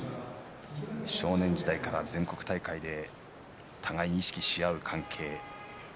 少年時代から全国大会で互いに意識し合う関係でした。